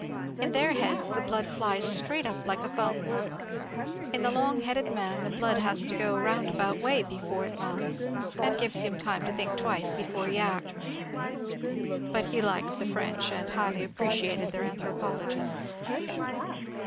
In their heads the blood flies straight up like a foimtain. In the long headed man the blood has to go a roundabout way before it mounts, and gives him time to think twice before he acts. But he liked the French and highly appreciated their anthropologists.